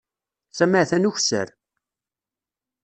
Sami atan ukessar.